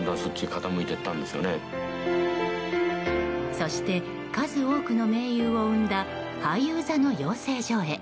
そして数多くの名優を生んだ俳優座の養成所へ。